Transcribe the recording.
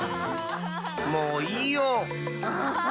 もういいよ！